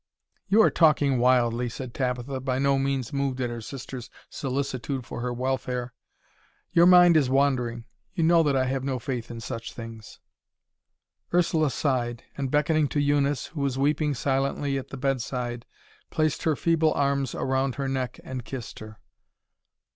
"You are talking wildly," said Tabitha, by no means moved at her sister's solicitude for her welfare. "Your mind is wandering; you know that I have no faith in such things." Ursula sighed, and beckoning to Eunice, who was weeping silently at the bedside, placed her feeble arms around her neck and kissed her.